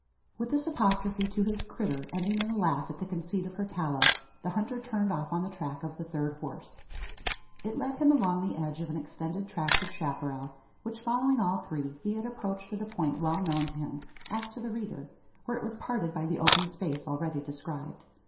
With this apostrophe to his "critter," ending in a laugh at the conceit of her "tallow," the hunter turned off on the track of the third horse. It led him along the edge of an extended tract of chapparal; which, following all three, he had approached at a point well known to him, as to the reader, where it was parted by the open space already described.